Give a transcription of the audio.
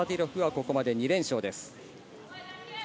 ここまで２連勝です。